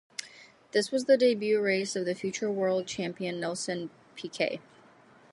This was the debut race of the future world champion Nelson Piquet.